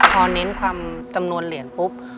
พอเน้นความจำนวนเหรียญปุ๊บ